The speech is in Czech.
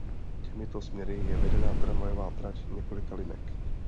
Těmito směry je vedena tramvajová trať několika linek.